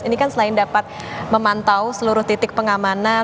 ini kan selain dapat memantau seluruh titik pengamanan